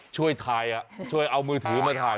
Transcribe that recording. ช่วยถ่ายช่วยเอามือถือมาถ่าย